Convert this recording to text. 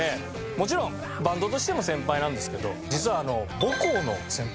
もちろんバンドとしても先輩なんですけど実は母校の先輩でして。